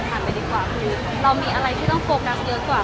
ไปดีกว่าคือเรามีอะไรที่ต้องโฟกัสเยอะกว่า